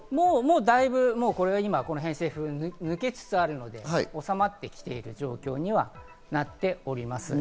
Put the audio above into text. もうだいぶ偏西風が抜けつつあるので、おさまってきている状況にはなっております。